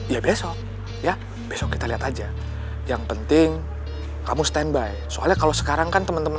ya besok ya besok kita lihat aja yang penting kamu standby soalnya kalau sekarang kan teman teman